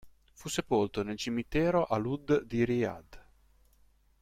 Fu sepolto nel cimitero al-'Ud di Riyad.